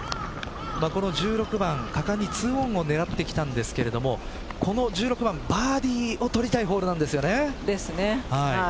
この１６番、果敢に２オンを狙ってきたんですがこの１６番バーディーを取りたいホールなんですよね。